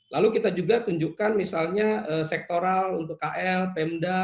lalu kita juga tunjukkan misalnya sektoral untuk kl pemda